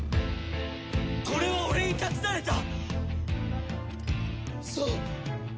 これは俺に託されたそう！